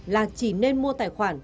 là chỉ nên mua tài khoản